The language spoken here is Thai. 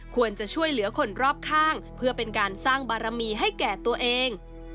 ควรจะช่วยเหลือคนรอบข้างเพื่อเป็นการสร้างบารมีให้แก่ตัวเอง